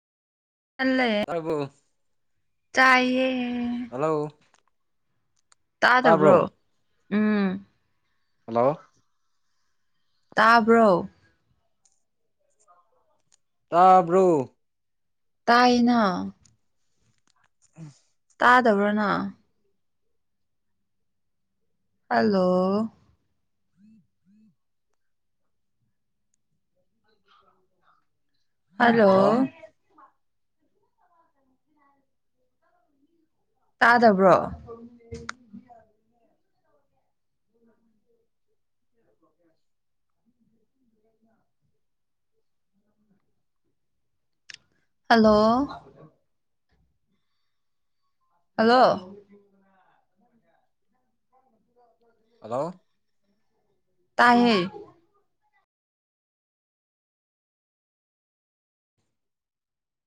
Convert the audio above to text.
ꯑꯗꯨꯕꯨ ꯆꯥꯌꯦ ꯍꯜꯂꯣ ꯇꯥꯕ꯭ꯔꯣ ꯇꯥꯗꯕ꯭ꯔꯣ ꯎꯝ ꯍꯜꯂꯣ ꯇꯥꯕ꯭ꯔꯣ ꯇꯥꯕ꯭ꯔꯨ ꯇꯥꯏꯅ ꯎꯝ ꯇꯥꯗꯕ꯭ꯔꯥꯅ ꯍꯜꯂꯣ ꯍꯜꯂꯣ ꯇꯥꯗꯕ꯭ꯔꯣ ꯍꯜꯂꯣ ꯍꯜꯂꯣ ꯍꯜꯂꯣ ꯇ